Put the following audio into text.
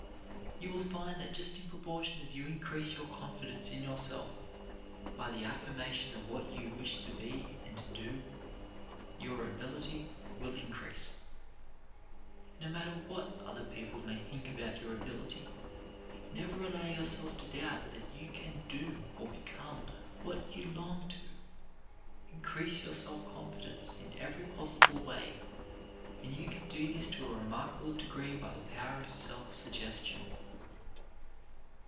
You will find that just in proportion as you increase your confidence in yourself by the affirmation of what you wish to be and to do, your ability will increase. No matter what other people may think about your ability, never allow yourself to doubt that you can do or become what you long to. Increase your self confidence in every possible way, and you can do this to a remarkable degree by the power of self suggestion.